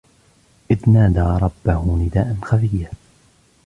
إِذْ نَادَى رَبَّهُ نِدَاءً خَفِيًّا